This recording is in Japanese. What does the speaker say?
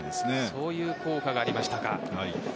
そういう効果がありましたか。